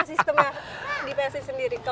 sistemnya di psi sendiri